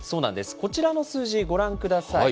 こちらの数字、ご覧ください。